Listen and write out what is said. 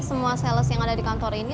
semua sales yang ada di kantor ini